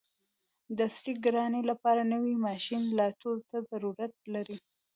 د عصري کرانې لپاره نوي ماشین الاتو ته ضرورت لري.